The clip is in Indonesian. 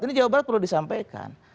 ini jawa barat perlu disampaikan